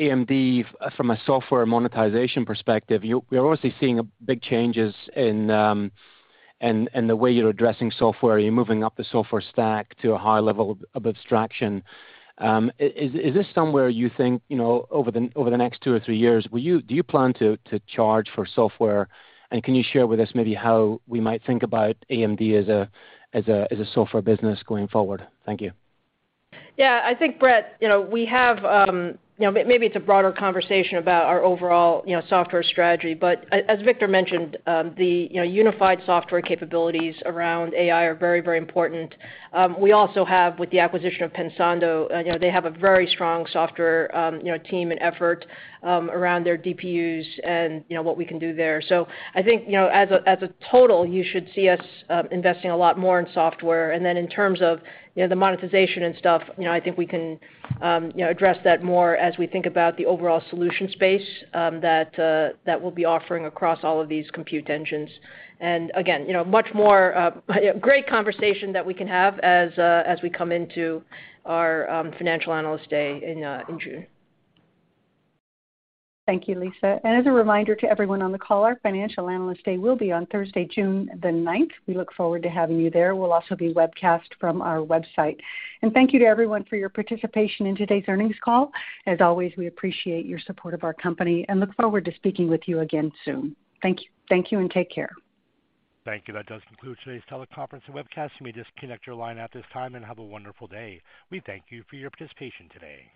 AMD from a software monetization perspective, we're obviously seeing big changes in the way you're addressing software. Are you moving up the software stack to a higher level of abstraction? Is this somewhere you think, you know, over the next two or three years, do you plan to charge for software? Can you share with us maybe how we might think about AMD as a software business going forward? Thank you. Yeah. I think, Brett, you know, we have, you know, maybe it's a broader conversation about our overall, you know, software strategy, but as Victor mentioned, the, you know, unified software capabilities around AI are very, very important. We also have, with the acquisition of Pensando, you know, they have a very strong software, you know, team and effort, around their DPUs and, you know, what we can do there. I think, you know, as a total, you should see us, investing a lot more in software. Then in terms of, you know, the monetization and stuff, you know, I think we can, you know, address that more as we think about the overall solution space, that we'll be offering across all of these compute engines. Again, you know, much more great conversation that we can have as we come into our Financial Analyst Day in June. Thank you, Lisa. As a reminder to everyone on the call, our Financial Analyst Day will be on Thursday, June the 9th. We look forward to having you there. We'll also be webcast from our website. Thank you to everyone for your participation in today's earnings call. As always, we appreciate your support of our company and look forward to speaking with you again soon. Thank you. Thank you, and take care. Thank you. That does conclude today's teleconference and webcast. You may disconnect your line at this time and have a wonderful day. We thank you for your participation today.